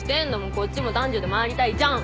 こっちも男女で回りたいじゃん！